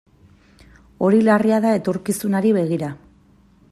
Hori larria da etorkizunari begira.